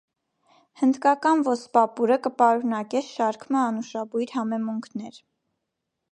Հնդկական ոսպապուրը կը պարունակէ շարք մը անուշաբոյր համեմունքներ։